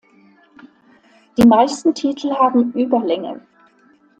Die meisten Titel haben Überlänge.